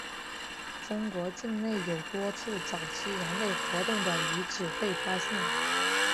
中国境内有多处早期人类活动的遗址被发现。